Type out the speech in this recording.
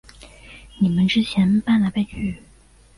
你们之前搬来搬去